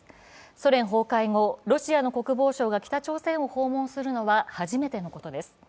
ソ連崩壊後ロシアの国防相が北朝鮮を訪問するのは初めてのことです。